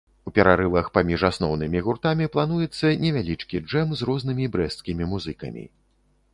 У перарывах паміж асноўнымі гуртамі плануецца невялічкі джэм з рознымі брэсцкімі музыкамі.